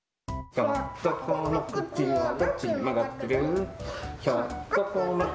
「ひょっとこのくちはどっちにまがってる？」